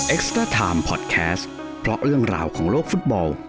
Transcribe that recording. สเตอร์ไทม์พอดแคสต์เพราะเรื่องราวของโลกฟุตบอล